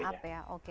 clean up ya oke